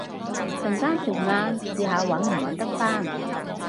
陣間食晏試下搵唔搵得返